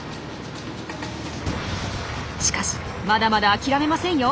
しかしまだまだ諦めませんよ！